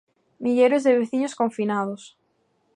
Milleiros de veciños confinados.